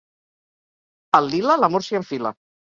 Al lila, l'amor s'hi enfila.